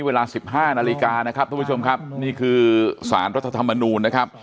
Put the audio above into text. เวลาสิบห้านาฬิกานะครับทุกผู้ชมครับนี่คือสารรัฐธรรมนูลนะครับ